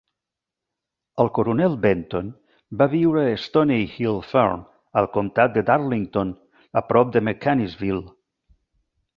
El coronel Benton va viure a Stoney Hill Farm, al comat de Darlington a prop de Mechanicsville.